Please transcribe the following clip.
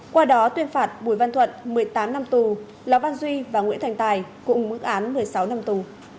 qua đó tuyên phạt bùi văn thuận một mươi tám năm tù lò văn duy và nguyễn thành tài cùng mức án một mươi sáu năm tù